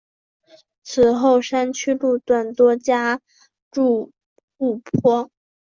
此后山区路段多加筑护坡。